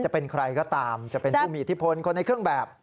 จะเป็นใครก็ตามจะเป็นผู้มีอิทธิพลคนในเครื่องแบบ